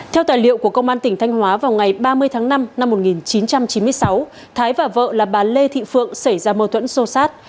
theo tài liệu của công an tỉnh thanh hóa vào ngày ba mươi tháng năm năm một nghìn chín trăm chín mươi sáu thái và vợ là bà lê thị phượng xảy ra mâu thuẫn sô sát